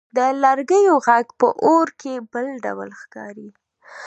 د لرګیو ږغ په اور کې بل ډول ښکاري.